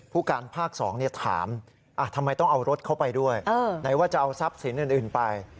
ผู้การภาค๒ถามทำไมต้องเอารถเข้าไปด้วยไหนว่าจะเอาทรัพย์สินอื่นไป